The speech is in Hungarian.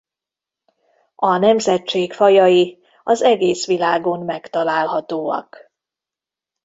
A nemzetség fajai az egész világon megtalálhatóak.